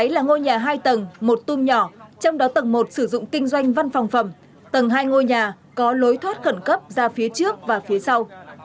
bảy là ngôi nhà hai tầng một tung nhỏ trong đó tầng một sử dụng kinh doanh văn phòng phẩm tầng hai ngôi nhà có lối thoát khẩn cấp ra phía trước và phía sau